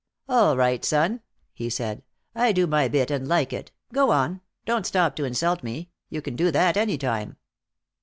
"All right, son," he said, "I do my bit and like it. Go on. Don't stop to insult me. You can do that any time."